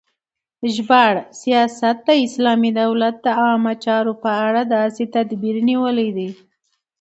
ژباړه : سیاست د اسلامی دولت د عامه چارو په اړه داسی تدبیر نیول دی